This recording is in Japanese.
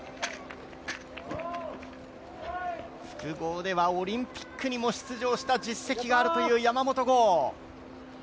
複合ではオリンピックにも出場した実績があるという山元豪。